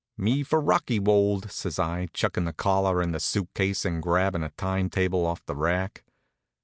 "Me for Rockywold," says I, chuckin' a collar in a suit case and grabbin' a time table off the rack.